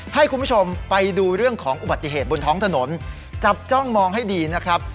ให้คุณผู้ชมไปดูเรื่องของอุบัติเหตุบนท้องถนนจับจ้องมองให้ดีนะครับ